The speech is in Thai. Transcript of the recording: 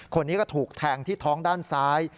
คนนี้ก็ถูกแทงที่ท้องด้านซ้าย